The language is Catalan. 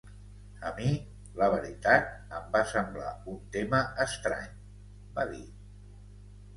A mi, la veritat, em va semblar un tema estrany, va dir.